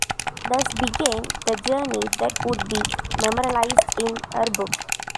Thus began the journey that would be memorialized in her book.